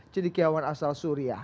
cedikiawan asal suria